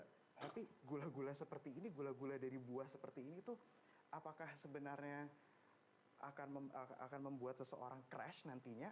tapi gula gula seperti ini gula gula dari buah seperti ini tuh apakah sebenarnya akan membuat seseorang crash nantinya